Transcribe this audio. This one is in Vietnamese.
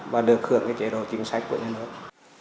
và được hưởng cái chế độ chính sách của người lao động